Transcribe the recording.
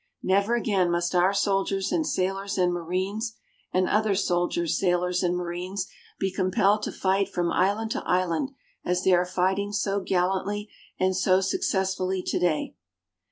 Never again must our soldiers and sailors and marines and other soldiers, sailors and marines be compelled to fight from island to island as they are fighting so gallantly and so successfully today.